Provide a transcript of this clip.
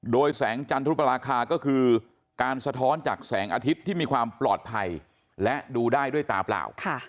โดยแสงจันทรุปราคาก็คือการสะท้อนจากแสงอาทิตย์ที่มีความปลอดภัยและดูได้ด้วยตาเปล่า